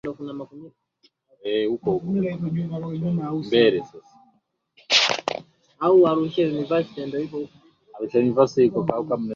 mimi nafanya kazi ya kuseti na kusuka pia